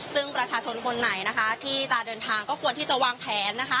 ซึ่งประชาชนคนไหนนะคะที่จะเดินทางก็ควรที่จะวางแผน